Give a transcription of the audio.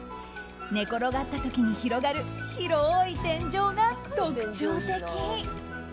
寝転がった時に広がる広い天井が特徴的。